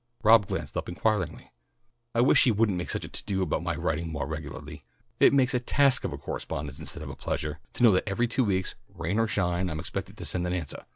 Rob glanced up inquiringly. "I wish he wouldn't make such a to do about my writing moah regularly. It makes a task of a correspondence instead of a pleasuah, to know that every two weeks, rain or shine, I'm expected to send an answah.